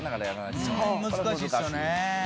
難しいっすよね。